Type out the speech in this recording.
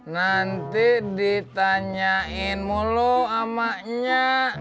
nanti ditanyain mulu amanya